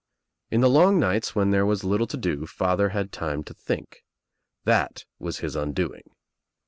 In the long nights when there was little to do father had time to think. That was his undoing.